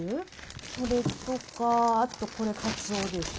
それとかあとこれかつおでしょ。